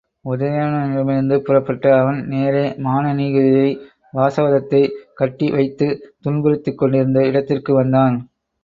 உதயணனிடமிருந்து புறப்பட்ட அவன் நேரே மானனீகையை வாசவதத்தை கட்டி வைத்துத் துன்புறுத்திக் கொண்டிருந்த இடத்திற்கு வந்தான்.